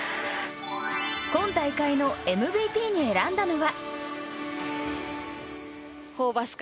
今大会のＭＶＰに選んだのは。